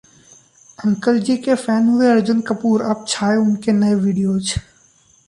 'अंकलजी' के फैन हुए अर्जुन कपूर, अब छाए उनके नए वीडियोज